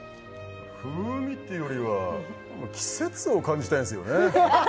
風味っていうよりは季節を感じたいんですよね